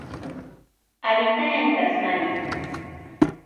Habita en Tasmania.